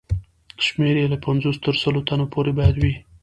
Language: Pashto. شمېر یې له پنځوس تر سلو تنو پورې باید وي.